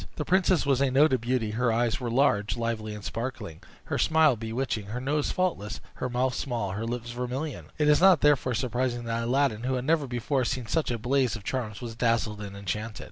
The princess was a noted beauty: her eyes were large, lively, and sparkling; her smile bewitching; her nose faultless; her mouth small; her lips vermilion. It is not therefore surprising that Aladdin, who had never before seen such a blaze of charms, was dazzled and enchanted.